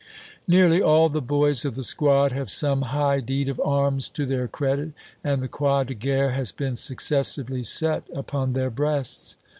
Nearly all the boys of the squad have some high deed of arms to their credit, and the Croix de Guerre has been successively set upon their breasts.